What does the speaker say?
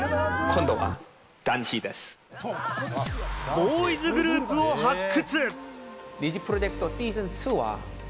ボーイズグループを発掘！